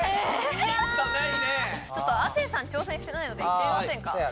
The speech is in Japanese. ヒントないね亜生さん挑戦してないのでいってみませんか？